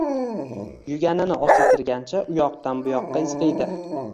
Yuganini osiltirgancha u yoqdan bu yoqqa izg`iydi